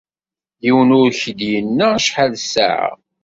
Yiwen ur k-id-yenna acaḥal ssaɛa.